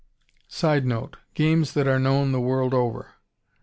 [Sidenote: Games that are known the world over.